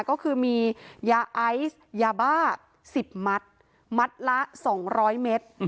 ก็คือมียาไอซ์ยาบ้า๑๐มัดมัดละ๒๐๐เมตร